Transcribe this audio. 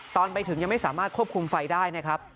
ตอนไปถึงยังไม่สามารถควบคุมไฟได้นะครับ